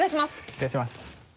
失礼します。